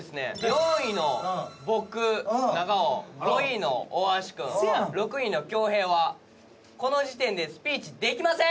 ４位の僕長尾５位の大橋くん６位の恭平はこの時点でスピーチできません！